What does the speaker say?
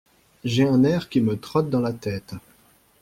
J'ai un air qui me trotte dans la tête.